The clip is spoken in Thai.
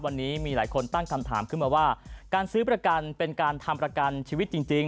วันนี้มีหลายคนตั้งคำถามขึ้นมาว่าการซื้อประกันเป็นการทำประกันชีวิตจริง